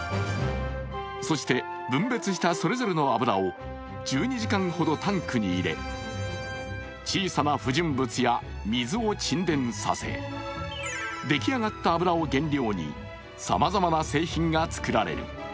そして、分別したそれぞれの油を１２時間ほどタンクに入れ、小さな不純物や水を沈殿させ出来上がった油を原料にさまざまな製品が作られる。